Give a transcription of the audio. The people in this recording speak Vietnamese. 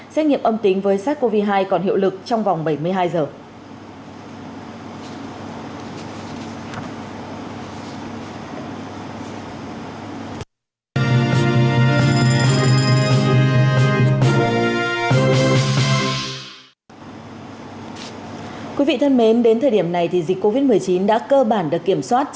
xét nghiệm âm tính với sars cov hai còn hiệu lực trong vòng bảy mươi hai giờ